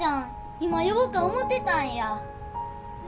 今、呼ぼか思てたんや。